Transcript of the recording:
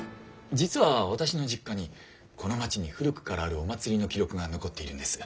実は私の実家にこの町に古くからあるお祭りの記録が残っているんです。